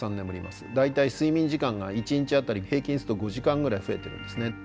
大体睡眠時間が１日当たり平均すると５時間ぐらい増えてるんですね。